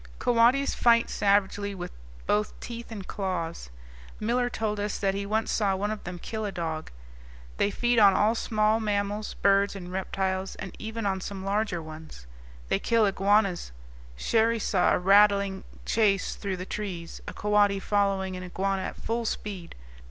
Coatis fight savagely with both teeth and claws. Miller told us that he once saw one of them kill a dog. They feed on all small mammals, birds, and reptiles, and even on some large ones; they kill iguanas; Cherrie saw a rattling chase through the trees, a coati following an iguana at full speed.